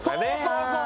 そうそう！